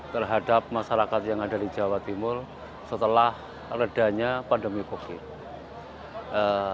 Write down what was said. terhadap masyarakat yang ada di jawa timur setelah redanya pandemi covid